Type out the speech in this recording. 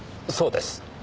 そうです。